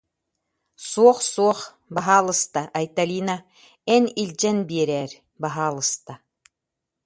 Суох, суох, баһаалыста, Айталина, эн илдьэн биэрээр, баһаалыста